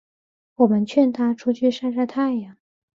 我们劝她出去晒晒太阳